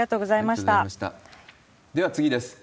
では次です。